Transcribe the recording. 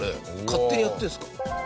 勝手にやってるんですか？